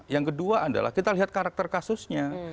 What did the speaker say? yang kedua adalah kita lihat karakter kasusnya